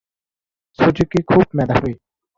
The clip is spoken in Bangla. সুজুকি খুব মেধাবী।